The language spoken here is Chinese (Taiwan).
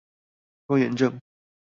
拖延症